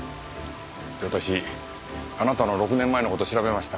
私あなたの６年前の事を調べました。